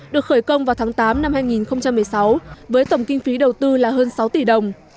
được khởi công vào tháng tám năm hai nghìn một mươi sáu với tổng kinh phí đầu tư là hơn sáu tỷ đồng